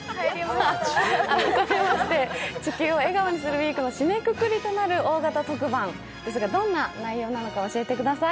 改めまして、「地球を笑顔にするＷＥＥＫ」の締めくくりとなる大型特番ですがどんな内容なのか教えてください。